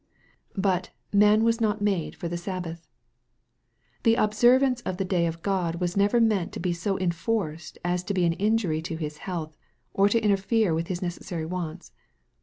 But " man was not made for the Sabbath." The ob servance of the day of God was never meant to be so enforced as to be an injury to his health, or to interfere with his necessary wants.